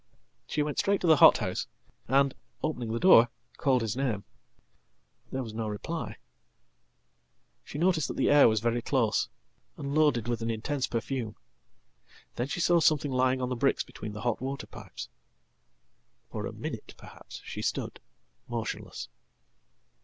"She went straight to the hothouse, and, opening the door, called his name. There was no reply. She noticed that the air was very close, and loadedwith an intense perfume. Then she saw something lying on the bricksbetween the hot water pipes. For a minute, perhaps, she stood motionless.